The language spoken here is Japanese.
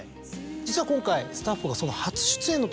実はスタッフが。